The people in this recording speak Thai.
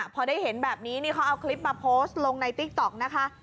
พอได้เห็นแบบนี้นี่เขาเอาคลิปมาโพสต์ลงในติ๊กต๊อกนะคะ